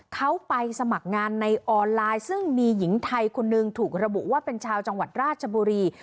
เขาไปสมัครงานในออนไลน์ซึ่งมีหญิงไทยคนหนึ่งถูกระบุว่าเป็นชาวจังหวัดราชบุรี